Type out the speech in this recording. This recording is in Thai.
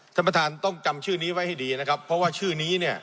ท่านประธานต้องจำชื่อนี้ไว้ให้ดีนะครับเพราะว่าชื่อนี้เนี่ย